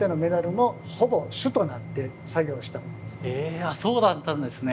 えそうだったんですね。